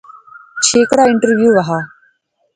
چھیکڑا انٹرویو وہا